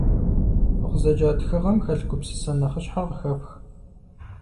Фыкъызэджа тхыгъэм хэлъ гупсысэ нэхъыщхьэр къыхэфх.